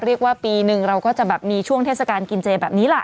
เรียกว่าปีหนึ่งเราก็จะแบบมีช่วงเทศกาลกินเจแบบนี้ล่ะ